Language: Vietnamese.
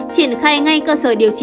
triển khai ngay cơ sở điều trị f